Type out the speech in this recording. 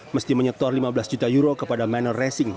mesti menyetor lima belas juta euro kepada minor racing